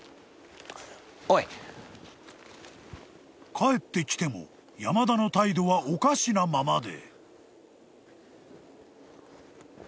［帰ってきても山田の態度はおかしなままで］